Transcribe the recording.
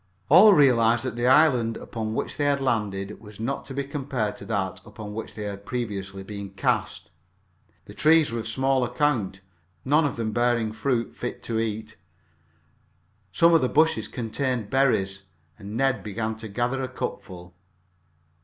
All realized that the island upon which they had landed was not to be compared to that upon which they had previously been cast. The trees were of small account, none of them bearing fruit fit to eat. Some of the bushes contained berries, and Ned began to gather a cupful.